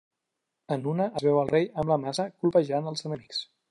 En una, es veu el rei amb la maça colpejant els enemics.